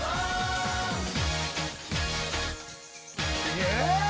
イエーイ！